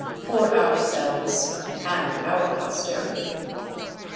.. for ourselves and our posterity."